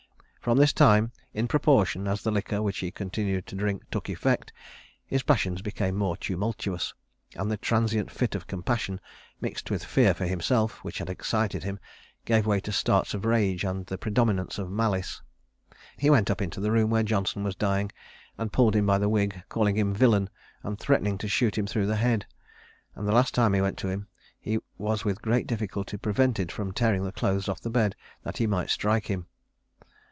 From this time, in proportion as the liquor which he continued to drink took effect, his passions became more tumultuous, and the transient fit of compassion, mixed with fear for himself, which had excited him, gave way to starts of rage and the predominance of malice. He went up into the room where Johnson was dying, and pulled him by the wig, calling him villain, and threatening to shoot him through the head; and the last time he went to him he was with great difficulty prevented from tearing the clothes off the bed, that he might strike him.